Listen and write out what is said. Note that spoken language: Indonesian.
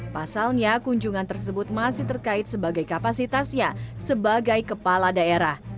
pasalnya kunjungan tersebut masih terkait sebagai kapasitasnya sebagai kepala daerah